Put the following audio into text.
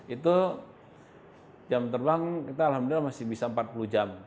itu jam terbang kita alhamdulillah masih bisa empat puluh jam